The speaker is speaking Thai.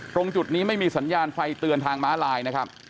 ตรงจุดนี้ไม่มีสัญญาณไฟเตือนทางม้าลายนะครับ